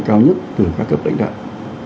cao nhất từ các cấp lãnh đạo